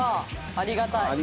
ありがたい。